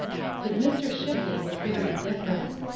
But Mr. Shipley was very different.